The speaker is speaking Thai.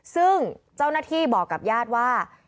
ซึ่งเจ้าหน้าที่บอกกับญาติว่า